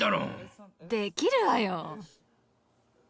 できるわよ。